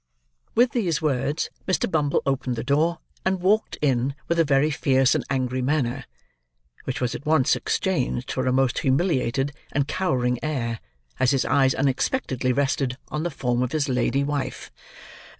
With these words, Mr. Bumble opened the door, and walked in with a very fierce and angry manner: which was at once exchanged for a most humiliated and cowering air, as his eyes unexpectedly rested on the form of his lady wife.